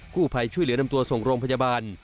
ผู้ภัยช่วยเหลือนำตัวส่งโรงพยาบาล